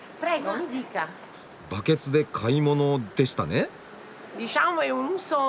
「バケツで買い物」でしたね？